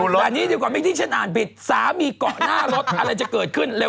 เรื่องรถอะไรพวกนี้อยู่ไหนล่ะ